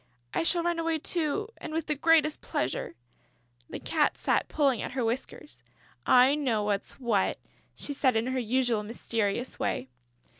I shall run away too ... and with the greatest pleasure...." The Cat sat pulling at her whiskers: "I know what's what," she said, in her usual mysterious way.